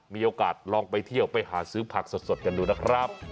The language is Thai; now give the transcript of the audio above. มีโอกาสลองไปเที่ยวไปหาซื้อผักสดกันดูนะครับ